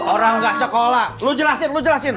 orang nggak sekolah lu jelasin lu jelasin